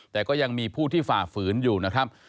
แต่ก็ยังมีผู้ที่ฝ่าฝืนอยู่นะครับ